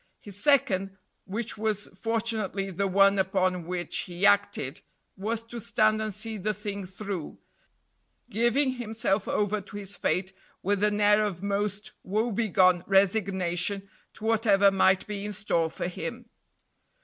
His second, which was fortunately the one upon which he acted, was to stand and see the thing through, giving himself over to his fate with an air of most woebegone resignation to whatever might be in store for him.